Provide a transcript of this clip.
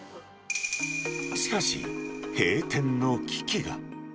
しかし、閉店の危機が。